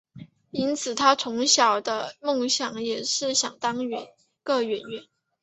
因此他小时候的梦想也是想当一个演员。